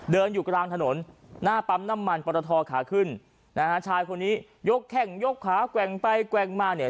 เดินอยู่กลางถนนหน้าปั๊มน้ำมันปรทอขาขึ้นนะฮะชายคนนี้ยกแข้งยกขาแกว่งไปแกว่งมาเนี่ย